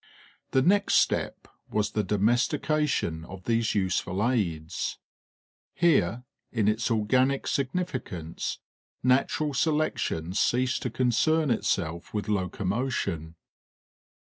The next step was the domestication of these useful aids. Here, in its organic significance, natural selection ceased to concern itself with locomotion.